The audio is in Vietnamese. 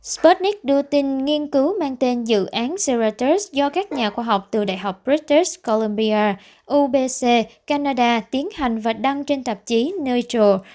sputnik đưa tin nghiên cứu mang tên dự án ceraturs do các nhà khoa học từ đại học british columbia ubc canada tiến hành và đăng trên tạp chí neutral